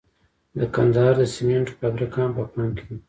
د کندهار د سمنټو فابریکه هم په پام کې ده.